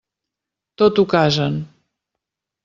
Tot ho casen.